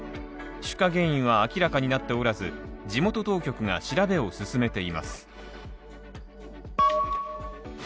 出火原因は明らかになっておらず、地元当局が調べを進めています。